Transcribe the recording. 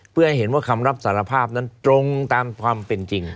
เพื่อให้เห็นว่าคำรับสารภาพนั้นตรงตามความเป็นจริง